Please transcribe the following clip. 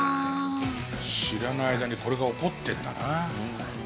知らない間にこれが起こってるんだな。